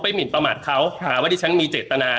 ไปหมิรรประมาทเค้าว่าดิฉันมีเจตนา